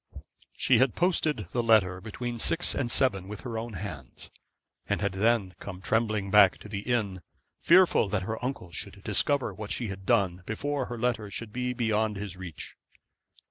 She had posted the letter between six and seven with her own hands, and had then come trembling back to the inn, fearful that her uncle should discover what she had done before her letter should be beyond his reach.